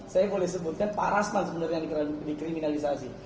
saya boleh sebutkan parasma sebenarnya yang dikriminalisasi